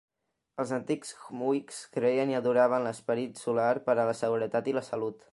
Els antics khmuics creien i adoraven l'esperit solar per a la seguretat i la salut.